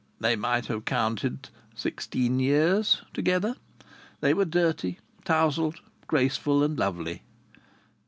They might have counted sixteen years together. They were dirty, tousled, graceful and lovely.